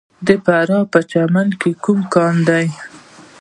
د فراه په پرچمن کې کوم کانونه دي؟